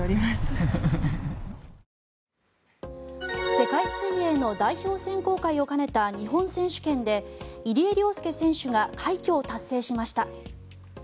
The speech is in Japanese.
世界水泳の代表選考会を兼ねた日本選手権で入江陵介選手が快挙を達成しました。